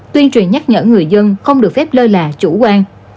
tuyên truyền nhắc nhở người dân không được phép lơ là chủ quan